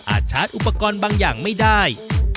ชาร์จอุปกรณ์บางอย่างไม่ได้